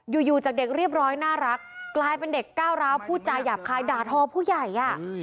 อยู่จากเด็กเรียบร้อยน่ารักกลายเป็นเด็กก้าวร้าวพูดจาหยาบคายด่าทอผู้ใหญ่